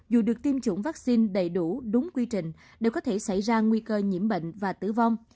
dù được tiêm chủng vaccine đầy đủ đúng quy trình đều có thể xảy ra nguy cơ nhiễm bệnh và tử vong